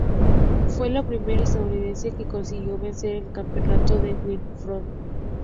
Fue la primera estadounidense que consiguió vencer en el Campeonato de Wimbledon.